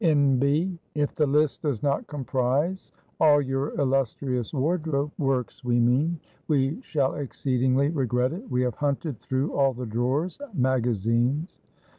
"N. B. If the list does not comprise all your illustrious wardrobe works, we mean , we shall exceedingly regret it. We have hunted through all the drawers magazines.